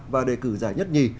và đề cử giải nhất nhì